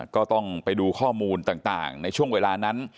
ก็ต้องไปดูข้อมูลต่างในช่วงเวลานั้น